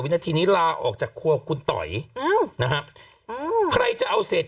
นาทีนี้ลาออกจากครัวคุณต๋อยนะฮะอืมใครจะเอาเศษ